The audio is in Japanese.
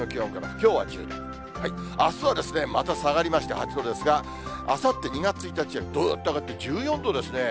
きょう１０度、あすはまた下がりまして、８度ですが、あさって２月１日はぐっと上がって１４度ですね。